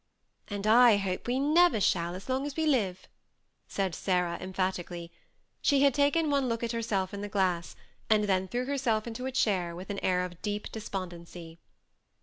" And I hope we never shall as long as we live," said Sarah, emphatically. She had taken one look at her self in the glass, and then threw herself into a chair, with an air of deep despondency.